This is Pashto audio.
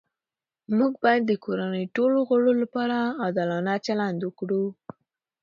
موږ باید د کورنۍ ټولو غړو لپاره عادلانه چلند وکړو